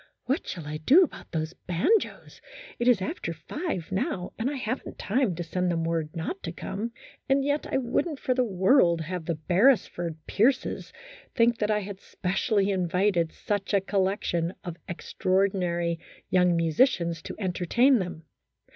"What shall I do about those banjos ? It is after five now, and I have n't time to send them word not to come, and yet I wouldn't for the world have the Beresford Pierces think that I had specially invited such a 2O8 THE HISTORY OF A HAPPY THOUGHT. collection of extraordinary young musicians to enter tain them.